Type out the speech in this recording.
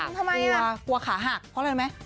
กลัวขาหักเพราะอะไรไหม